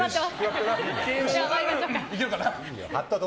いけるかな。